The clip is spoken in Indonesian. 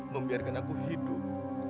membiarkan aku hidup